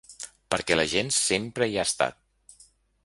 Perquè la gent sempre hi ha estat.